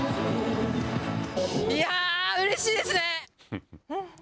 いや、うれしいですね。